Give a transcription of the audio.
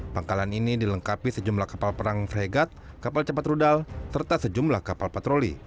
pangkalan ini dilengkapi sejumlah kapal perang fregat kapal cepat rudal serta sejumlah kapal patroli